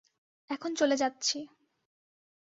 এখন চলে যাচ্ছি।